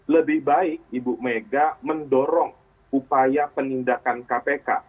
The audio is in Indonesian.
lebih baik ibu mega mendorong upaya penindakan kpk